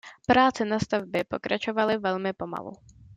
Práce na stavbě pokračovaly velmi pomalu.